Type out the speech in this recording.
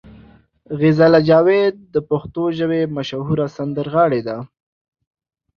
غزاله جاوید د پښتو ژبې مشهوره سندرغاړې ده.